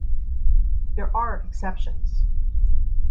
There are exceptions.